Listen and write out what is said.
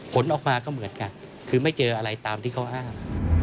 ผลออกมาก็เหมือนกันคือไม่เจออะไรตามที่เขาอ้าง